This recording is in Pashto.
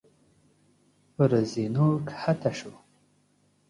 پر زينو کښته شو.